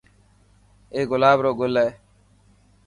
اي گلاب رو گل هي.